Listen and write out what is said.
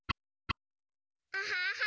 アハハ！